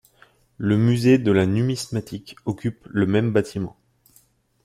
Le musée de la Numismatique occupe le même bâtiment.